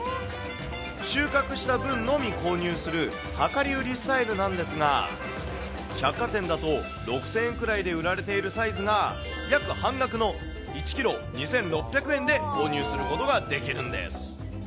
収穫した分のみ購入する量り売りスタイルなんですが、百貨店だと６０００円ぐらいで売られているサイズが、約半額の１キロ２６００円で購入することができるんです。